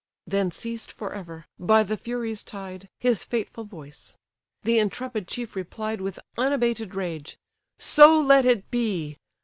Then ceased for ever, by the Furies tied, His fateful voice. The intrepid chief replied With unabated rage—"So let it be!